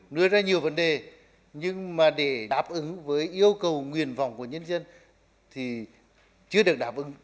đưa ra nhiều vấn đề nhưng mà để đáp ứng với yêu cầu nguyện vọng của nhân dân thì chưa được đáp ứng